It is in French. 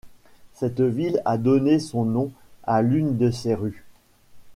Cette ville a donné son nom à l'une de ses rues.